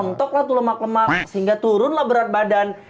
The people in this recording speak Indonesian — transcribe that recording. entoklah tuh lemak lemak sehingga turunlah berat badan